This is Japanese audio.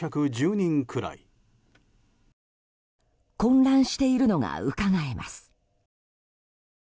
混乱しているのがうかがえます。